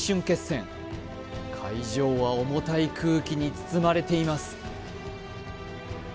決戦会場は重たい空気に包まれています